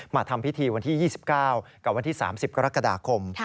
ทำพิธีวันที่๒๙กับวันที่๓๐กรกฎาคม